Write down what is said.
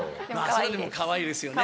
それでもかわいいですよね。